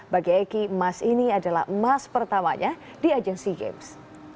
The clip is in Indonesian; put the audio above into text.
bagi eki emas ini adalah emas pertamanya di ajang sea games